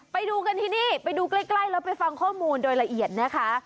ไปดูกันที่นี่ไปดูใกล้แล้วไปฟังข้อมูลโดยละเอียดนะคะ